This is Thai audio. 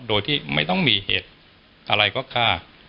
โดยที่ไม่ต้องมีเหตุอะไรก็ฆ่า